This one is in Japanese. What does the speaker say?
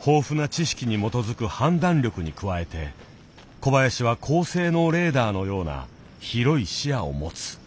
豊富な知識に基づく判断力に加えて小林は高性能レーダーのような広い視野を持つ。